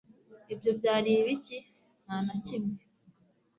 ibyo byari ibiki? nta na kimwe